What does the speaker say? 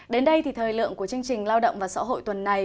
đến đây thì thời lượng của chương trình lao động và xã hội tuần này